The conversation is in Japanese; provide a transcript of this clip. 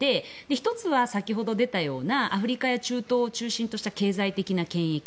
１つは先ほど出たようなアフリカや中東を中心とした経済的な権益